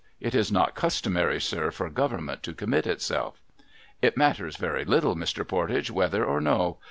It is not customary, sir, for Government to commit itself.' ' It matters very little, Mr. Pordage, whether or no.